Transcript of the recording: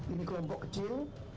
ini kelompok kecil